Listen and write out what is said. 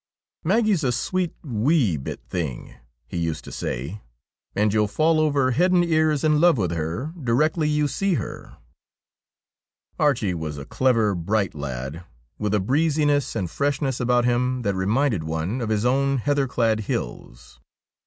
' Maggie's a sweet, wee bit thing,' he used to say, ' and you'll fall over head and ears in love with her directly you see her.' Archie was a clever, bright lad, with a breeziness and freshness about him that reminded one of his own heather clad hills.